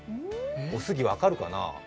おすぎ、分かるかな？